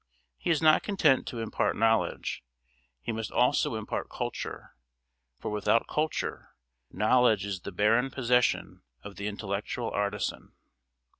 He is not content to impart knowledge; he must also impart culture; for without culture knowledge is the barren possession of the intellectual artisan.